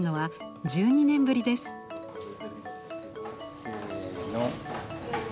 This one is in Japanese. せの。